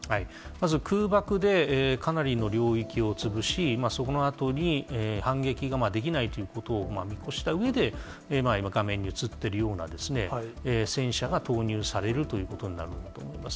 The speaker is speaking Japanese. まず空爆で、かなりの領域を潰し、そのあとに、反撃ができないということを見越したうえで、今、画面に映っているような戦車が投入されるということになると思います。